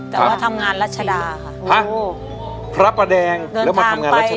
แต่ว่าทำงานรัชดาค่ะพระประแดงแล้วมาทำงานรัชกา